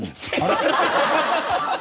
ハハハハ！